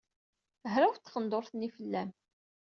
Hrawet tqendurt-nni fell-am.